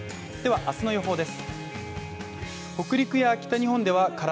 明日の予報です。